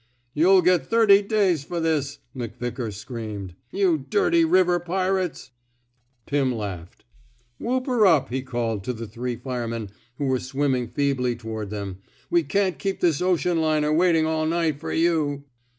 You'll get thirty days for this," McVickar screamed. You dirty river pirates! " Pim laughed. *^ Whoop her upl " he 59 f THE SMOKE EATEES called to the three firemen who were swim ming feebly toward them. We can't keep this ocean liner waitin' all night fer you.''